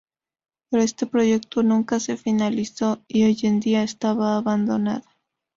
Pero este proyecto nunca se finalizó y hoy en día esta abandonada.